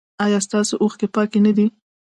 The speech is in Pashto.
ایا ستاسو اوښکې پاکې نه دي؟